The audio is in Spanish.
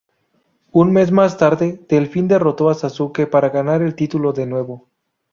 Un mes más tarde, Delfín derrotó a Sasuke para ganar el título de nuevo.